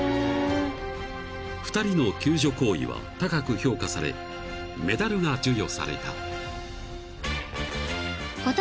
［２人の救助行為は高く評価されメダルが授与された］